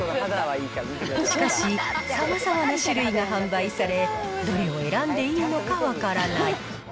しかし、さまざまな種類が販売され、どれを選んでいいのか分からない。